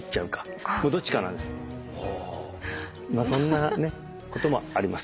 そんなこともあります。